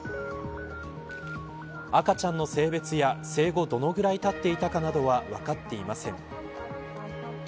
赤ちゃんの性別や生後どのくらいたっていたかなどは分かっていません。